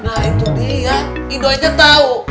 nah itu dia indonya tau